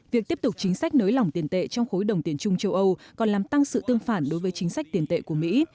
việc tiếp tục chính sách nới lỏng tiền tệ trong khối đồng tiền chung châu âu còn làm tăng sự tương phản đối với chính sách tiền tệ của mỹ